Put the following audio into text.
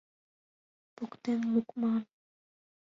Поктен лукман.